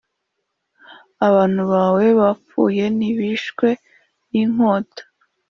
Abantu bawe bapfuye ntibishwe n’inkota,